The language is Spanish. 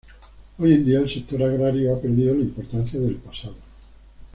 Hoy en día, el sector agrario ha perdido la importancia del pasado.